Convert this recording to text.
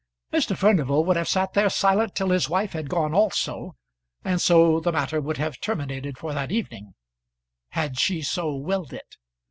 Mr. Furnival would have sat there silent till his wife had gone also, and so the matter would have terminated for that evening, had she so willed it.